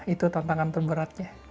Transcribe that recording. itu tantangan terberatnya